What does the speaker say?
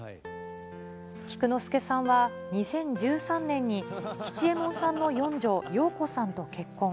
菊之助さんは２０１３年に吉右衛門さんの四女、瓔子さんと結婚。